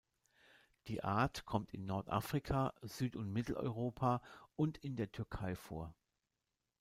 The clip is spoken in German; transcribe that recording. Die Art kommt in Nordafrika, Süd- und Mitteleuropa und in der Türkei vor.